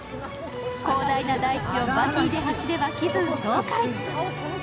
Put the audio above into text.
広大な大地をバギーで走れば気分爽快。